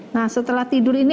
nah setelah tidur ini